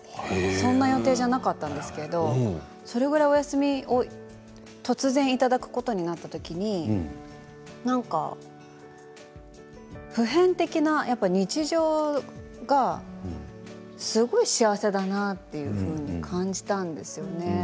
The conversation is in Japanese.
そんな予定じゃなかったんですけどそれぐらいお休みを突然いただくことになった時に普遍的な日常がすごく幸せだなというふうに感じたんですよね。